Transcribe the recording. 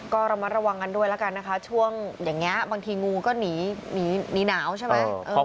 ก็ระมัดระวังกันด้วยแล้วกันนะคะช่วงอย่างนี้บางทีงูก็หนีหนาวใช่ไหม